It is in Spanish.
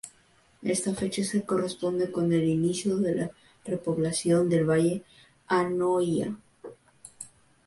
Esta fecha se corresponde con el inicio de la repoblación del valle del Anoia.